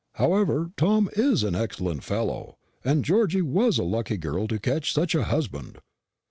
However, Tom is an excellent fellow, and Georgy was a lucky girl to catch such a husband.